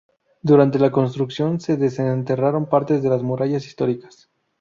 Durante la construcción se desenterraron parte de las murallas históricas.